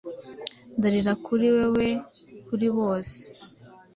Ndarira kuri wewe kuri bose,